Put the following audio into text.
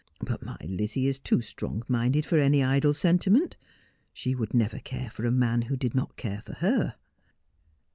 ' But my Lizzie is too strong minded for any idle sentiment. She would never care for a man who did not care for her.'